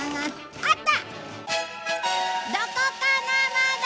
あった！